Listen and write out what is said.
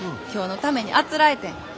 今日のためにあつらえてん。